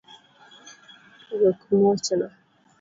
Wekmuochna